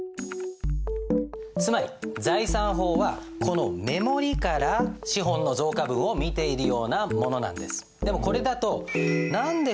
つまり財産法はこの目盛りから資本の増加分を見ているようなものなんです。